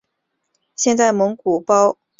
现在蒙古包顶部均已涂上橙色或棕色。